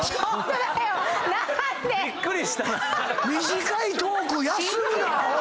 短いトーク休むなアホ！